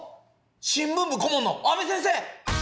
新聞部こもんの阿部先生！